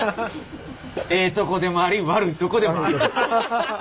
ええとこでもあり悪いとこでもある。